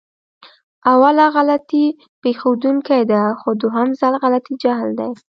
اوله غلطي پېښدونکې ده، خو دوهم ځل غلطي جهل دی.